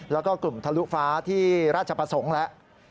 แล้วก็กลุ่มทะลุฟ้าที่ราชประสงค์แล้ว